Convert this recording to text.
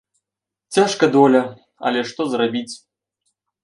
Цяжка доля, але што зрабіць?